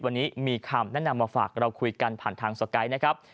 วันนี้มีคำแนะนำมาฝากเราคุยกันผ่านทางสไกด์นะครับ